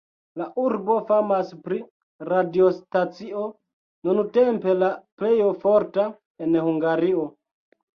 La urbo famas pri radiostacio, nuntempe la plej forta en Hungario.